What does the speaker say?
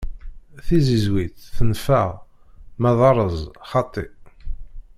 Tizizwit tenfeɛ ma d areẓ xaṭi.